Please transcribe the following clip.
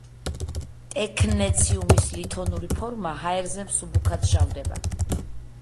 ტექნეციუმის ლითონური ფორმა ჰაერზე მსუბუქად შავდება.